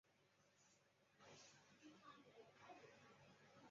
张漾开始做起了电商生意用以糊口。